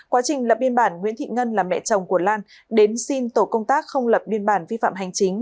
quá trình lập biên bản nguyễn thị ngân là mẹ chồng của lan đến xin tổ công tác không lập biên bản vi phạm hành chính